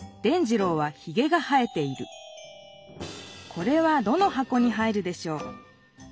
これはどのはこに入るでしょう？